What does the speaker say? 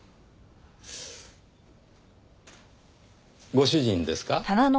ご主人ですか？